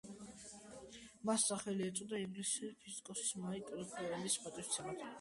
მას სახელი ეწოდა ინგლისელი ფიზიკოსის მაიკლ ფარადეის პატივსაცემად.